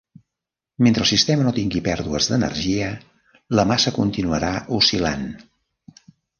Mentre el sistema no tingui pèrdues d'energia, la massa continuarà oscil·lant.